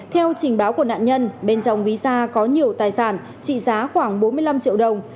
theo trình báo của nạn nhân bên trong ví da có nhiều tài sản trị giá khoảng bốn mươi năm triệu đồng